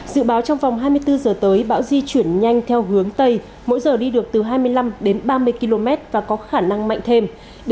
dự báo trong vòng hai mươi bốn giờ tới bão di chuyển nhanh theo hướng tây mỗi giờ đi được từ hai mươi năm đến ba mươi km và có khả năng mạnh thêm